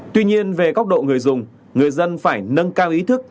tuy nhiên về góc độ người dùng người dân phải nâng cao ý thức